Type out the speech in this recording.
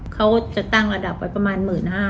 เขาจะตั้งระดับไว้ประมาณ๑๕๐๐